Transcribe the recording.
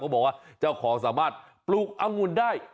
บอกว่าเจ้าของสามารถปลูกอังุ่นได้